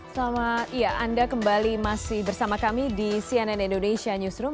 selamat ya anda kembali masih bersama kami di cnn indonesia newsroom